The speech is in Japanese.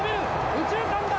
右中間だ。